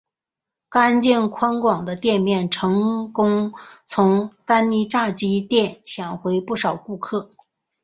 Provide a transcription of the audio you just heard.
干净宽广的店面成功从丹尼炸鸡店抢回不少顾客。